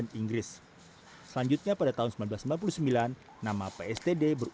dan juga olimpiade